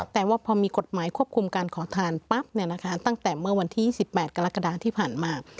แต่ว่าพอมีกฎหมายควบคุมการขอทานปั๊บตั้งแต่เมื่อวันที่๒๘กรกฎาที่ผ่านมา